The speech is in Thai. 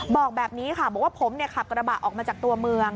บอกแบบนี้ค่ะบอกว่าผมขับกระบะออกมาจากตัวเมือง